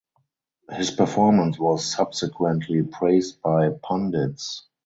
His performance was subsequently praised by pundits.